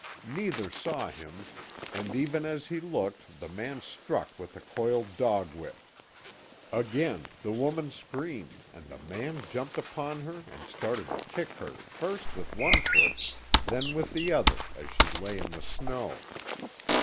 Neither saw him, and even as he looked the man struck with a coiled dog whip. Again the woman screamed, and the man jumped upon her and started to kick her first with one foot then with the other as she lay in the snow.